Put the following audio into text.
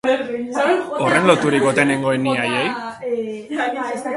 Horren loturik ote nengoen ni haiei?